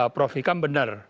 prof vikam benar